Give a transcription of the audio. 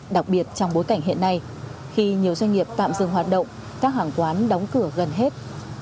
đặc biệt trong bối cảnh hiện nay khi nhiều doanh nghiệp tạm dừng hoạt động các hàng quán đóng cửa gần hết